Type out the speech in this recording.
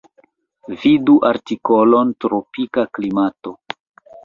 Vidu artikolon tropika klimato.